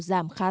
giảm khá sâu